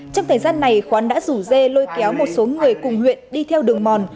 trong thời gian này quán đã rủ dê lôi kéo một số người cùng huyện đi theo đường mòn